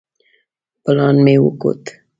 پلان مې وکوت.